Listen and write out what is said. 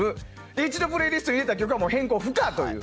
一度プレイリストに入れた曲は変更不可という。